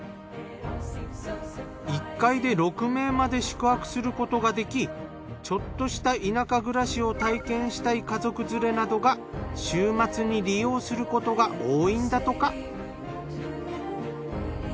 １回で６名まで宿泊することができちょっとした田舎暮らしを体験したい家族連れなどが週末に利用することが多いんだとか。